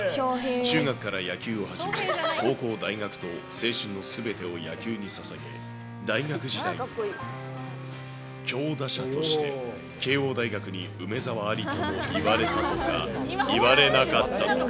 中学から野球を始め、高校、大学と青春のすべてを野球にささげ、大学時代には強打者として、慶応大学に梅澤ありとも言われたとか、言われなかったとか。